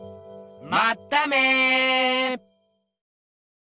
まっため！